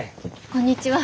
こんにちは。